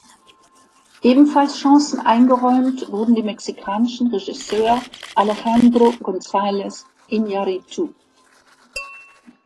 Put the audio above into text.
Ebenfalls Chancen eingeräumt wurden dem mexikanischen Regisseur Alejandro González Iñárritu.